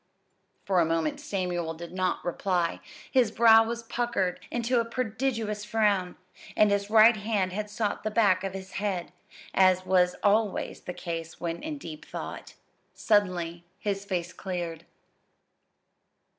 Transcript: For a moment Samuel did not reply. His brow was puckered into a prodigious frown, and his right hand had sought the back of his head as was always the case when in deep thought. Suddenly his face cleared.